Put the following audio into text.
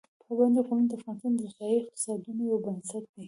پابندي غرونه د افغانستان د ځایي اقتصادونو یو بنسټ دی.